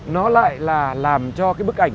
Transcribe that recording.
nó lại là làm cho bức ảnh